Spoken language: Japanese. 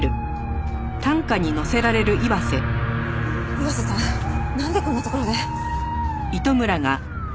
岩瀬さんなんでこんな所で！？